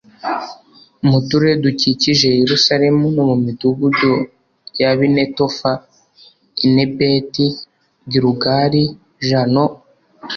mu turere dukikije yerusalemu no mu midugudu y ab i netofa i n i beti gilugali j no